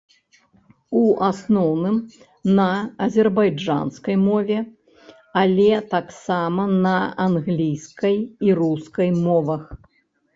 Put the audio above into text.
У асноўным на азербайджанскай мове, але таксама на англійскай і рускай мовах.